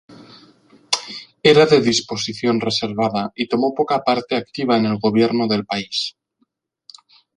Era de disposición reservada y tomó poca parte activa en el gobierno del país.